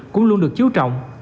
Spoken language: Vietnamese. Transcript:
cũng luôn được chiếu trọng